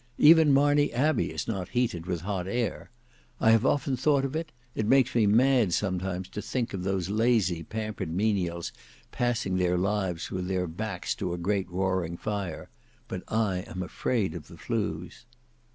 Even Marney Abbey is not heated with hot air. I have often thought of it; it makes me mad sometimes to think of those lazy, pampered menials passing their lives with their backs to a great roaring fire; but I am afraid of the flues."